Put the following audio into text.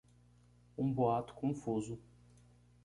um boato confuso